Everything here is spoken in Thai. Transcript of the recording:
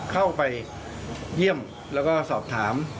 เข้าไปเยี่ยมแล้วก็สอบถาม